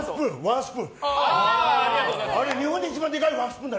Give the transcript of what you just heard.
ワンスプーン。